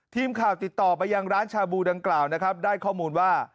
ทีมข่าวติดต่อไปยังร้านชาบูดังกล่าวนะครับได้ข้อมูลว่า